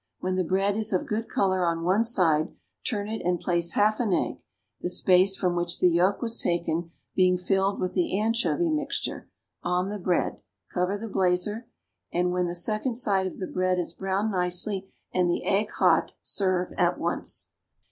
When the bread is of good color on one side, turn it and place half an egg the space from which the yolk was taken being filled with the anchovy mixture on the bread; cover the blazer, and, when the second side of the bread is browned nicely and the egg hot, serve at once.